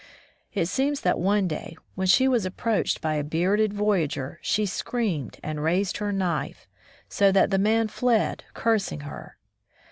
It seems that one day, when she was approached by a bearded voyageur, she screamed and raised her knife, so that the man fled, cursing her.